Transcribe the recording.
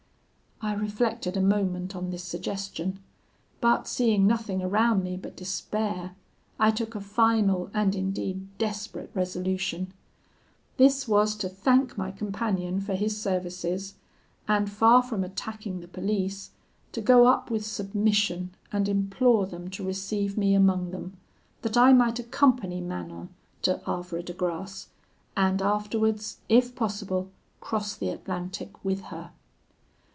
"I reflected a moment on this suggestion; but seeing nothing around me but despair, I took a final and indeed desperate resolution: this was to thank my companion for his services, and, far from attacking the police, to go up with submission and implore them to receive me among them, that I might accompany Manon to Havre de Grace, and afterwards, if possible, cross the Atlantic with her.